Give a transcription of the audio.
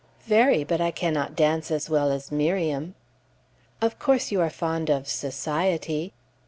"Very; but I cannot dance as well as Miriam." "Of course, you are fond of society?"